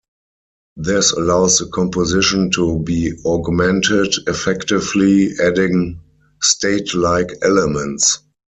This allows the composition to be augmented, effectively adding state-like elements.